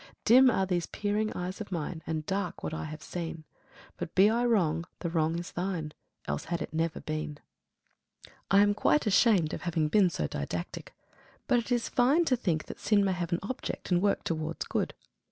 13. Dim are these peering eyes of mine, And dark what I have seen. But be I wrong, the wrong is Thine, Else had it never been. I am quite ashamed of having been so didactic. But it is fine to think that sin may have an object and work towards good.